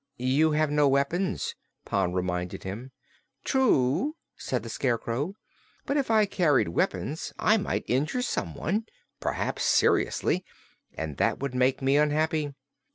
"You have no weapons," Pon reminded him. "True," said the Scarecrow. "But if I carried weapons I might injure someone perhaps seriously and that would make me unhappy.